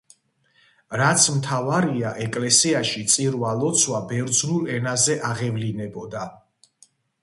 რაც მთავარია ეკლესიაში წირვა-ლოცვა ბერძნულ ენაზე აღევლინებოდა.